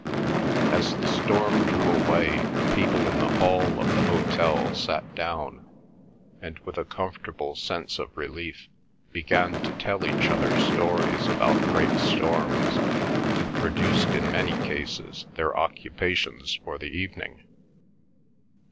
As the storm drew away, the people in the hall of the hotel sat down; and with a comfortable sense of relief, began to tell each other stories about great storms, and produced in many cases their occupations for the evening.